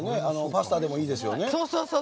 パスタでもいいですよね。